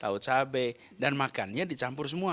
paut cabai dan makannya dicampur semua